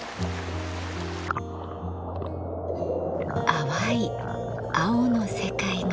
淡い青の世界が。